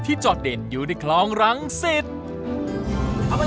ที่จอดเด่นอยู่ในคลองรังสิทธิ์